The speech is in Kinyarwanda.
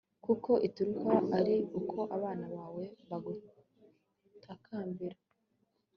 kuko ikiruta ari uko abana bawe bagutakambira